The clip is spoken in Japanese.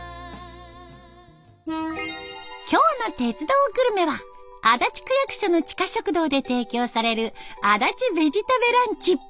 今日の「鉄道グルメ」は足立区役所の地下食堂で提供されるあだちベジタベランチ。